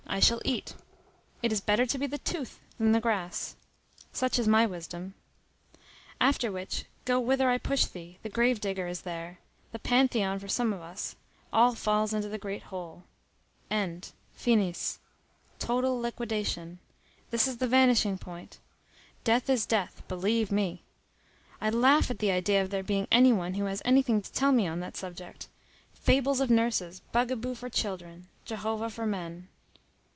I shall eat. It is better to be the tooth than the grass. Such is my wisdom. After which, go whither I push thee, the grave digger is there; the Pantheon for some of us: all falls into the great hole. End. Finis. Total liquidation. This is the vanishing point. Death is death, believe me. I laugh at the idea of there being any one who has anything to tell me on that subject. Fables of nurses; bugaboo for children; Jehovah for men.